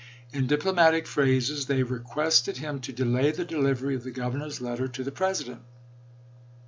In diplomatic phrases they requested him to delay the delivery of the Governor's letter to the Presi dent.